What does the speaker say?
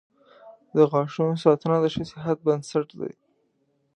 • د غاښونو ساتنه د ښه صحت بنسټ دی.